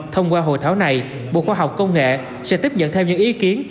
thông qua hồi thảo này bộ khoa học công nghệ sẽ tiếp nhận theo những ý kiến